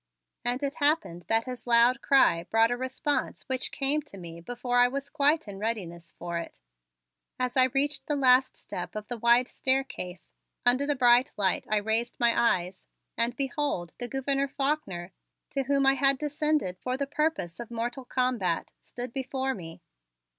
And it happened that his loud cry brought a response which came to me before I was quite in readiness for it. As I reached the last step of the wide staircase, under the bright light I raised my eyes, and behold, the Gouverneur Faulkner to whom I had descended for the purpose of mortal combat, stood before me!